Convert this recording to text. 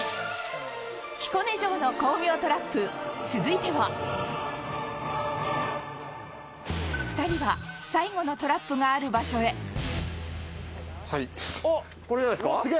彦根城の巧妙トラップ続いては２人は最後のトラップがある場所へ斎藤さん：はい。